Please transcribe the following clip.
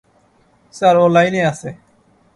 Sir, ও লাইনে আছে।